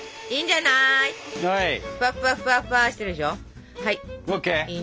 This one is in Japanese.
いいんじゃない。